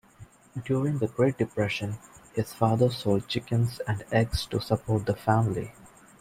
During the Great Depression, his father sold chickens and eggs to support the family.